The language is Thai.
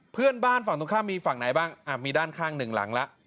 เพื่อนบ้านฝั่งตรงข้ามมีฝั่งไหนบ้างมีด้านข้างหนึ่งหลังแล้ว